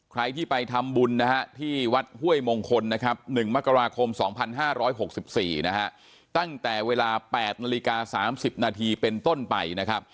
ใครที่ไปทำบุญที่วัดห้วยมงคล๑มกราคม๒๕๖๔ตั้งแต่เวลา๘นาฬิกา๓๐นาทีเป็นต้นไป